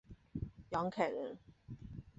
杨凯人。